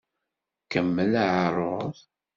Kemmel aɛeṛṛuḍ!